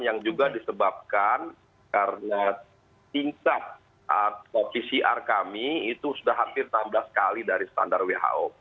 yang juga disebabkan karena tingkat atau pcr kami itu sudah hampir enam belas kali dari standar who